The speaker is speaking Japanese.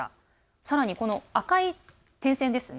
さらに赤い点線ですね。